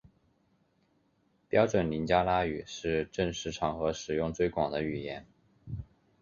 标准林加拉语是正式场合使用最广的语言。